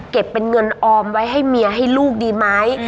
เป็นเงินออมไว้ให้เมียให้ลูกดีไหม